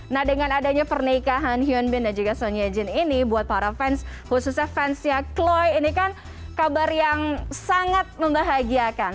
nah dengan adanya pernikahan hyun bin dan juga son yejin ini buat para fans khususnya fansnya chloy ini kan kabar yang sangat membahagiakan